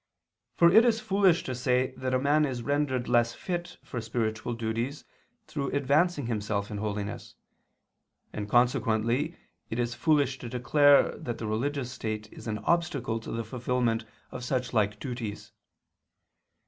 For it is foolish to say that a man is rendered less fit for spiritual duties through advancing himself in holiness; and consequently it is foolish to declare that the religious state is an obstacle to the fulfilment of such like duties.